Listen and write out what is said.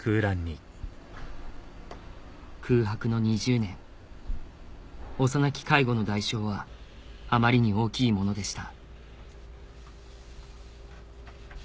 空白の２０年幼き介護の代償はあまりに大きいものでした